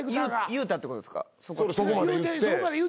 切ったってことですか？